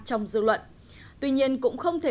trong dư luận tuy nhiên cũng không thể